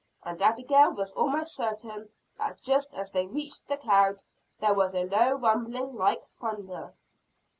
And Abigail was almost certain that just as they reached the cloud, there was a low rumbling like thunder.